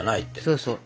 そうそう。